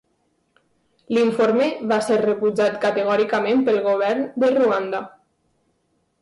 L'informe va ser rebutjat categòricament pel govern de Ruanda.